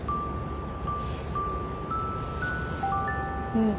うん。